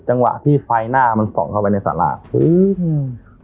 จังหวะที่ไฟหน้ามันส่องเข้าไปในสาราอืม